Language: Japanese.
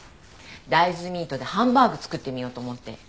大豆ミートでハンバーグ作ってみようと思って。